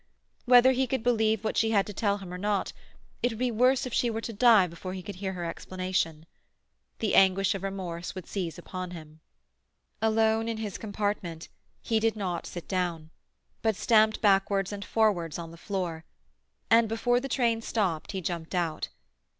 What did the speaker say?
Whether he could believe what she had to tell him or not, it would be worse if she were to die before he could hear her exculpation. The anguish of remorse would seize upon him. Alone in his compartment, he did not sit down, but stamped backwards and forwards on the floor, and before the train stopped he jumped out.